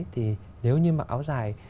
thì nếu như mặc áo dài